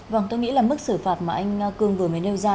vâng tôi nghĩ là mức xử phạt mà anh cương vừa mới nêu ra